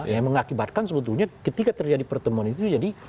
yang mengakibatkan sebetulnya ketika terjadi pertemuan itu jadi